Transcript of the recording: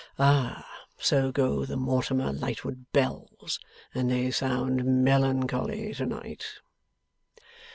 Ah! So go the Mortimer Lightwood bells, and they sound melancholy to night.